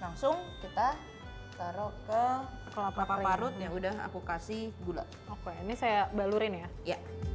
langsung kita taruh ke parut ya udah aku kasih gula oke ini saya balurin ya